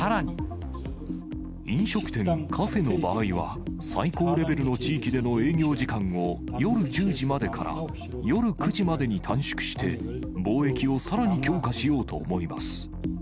飲食店、カフェの場合は、最高レベルの地域での営業時間を夜１０時までから夜９時までに短縮して、防疫をさらに強化しようと思います。